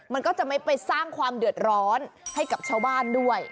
มันก็จะไม่ไปสร้างความเดือดร้อนให้กับชาวบ้านด้วย